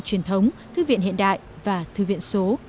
truyền thống thư viện hiện đại và thư viện số